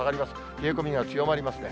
冷え込みが強まりますね。